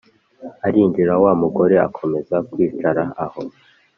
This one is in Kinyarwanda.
arinjira wa mugore akomeza kwicara aho.